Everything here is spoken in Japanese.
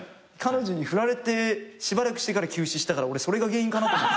彼女に振られてしばらくしてから休止したから俺それが原因かなと。